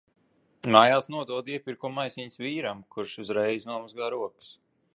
Mājās nododu iepirkumu maisiņus vīram, kurš uzreiz nomazgā rokas.